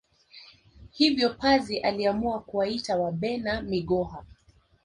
Hivyo pazi aliamua kuwaita Wabena Migoha